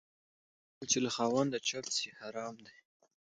مال چې له خاونده چپ سي حرام دى.